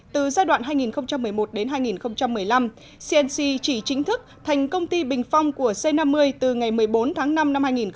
từ giai đoạn hai nghìn một mươi một đến hai nghìn một mươi năm cnc chỉ chính thức thành công ty bình phong của c năm mươi từ ngày một mươi bốn tháng năm năm hai nghìn một mươi tám